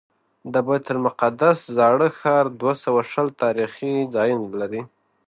د بیت المقدس زاړه ښار دوه سوه شل تاریخي ځایونه لري.